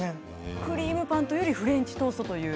クリームパンというよりもフレンチトーストで。